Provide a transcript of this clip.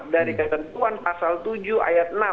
dari ketentuan pasal tujuh ayat enam